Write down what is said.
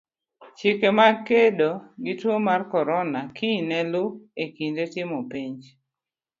Chike mag kedo gi tuo mar korona kiny ne luu e kinde timo penj.